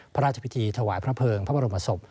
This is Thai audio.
พระราชพิธีถวายพระเภิงพระบรมศพ